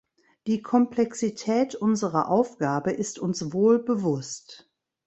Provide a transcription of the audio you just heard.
Die Komplexität unserer Aufgabe ist uns wohl bewusst.